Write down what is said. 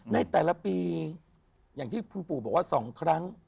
ในแต่ละปีอย่างที่คุณปู่บอกว่า๒ครั้ง